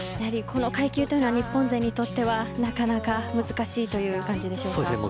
この階級は日本勢にとってはなかなか難しいという感じでしょうか。